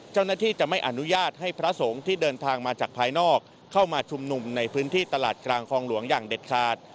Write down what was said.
เจ้าหน้าที่จะไม่อนุญาตให้พระสงฆ์ที่เดินทางมาจากภายนอกเข้ามาชุมนุมในพื้นที่ตลาดกลางคลองหลวงอย่างเด็ดขาด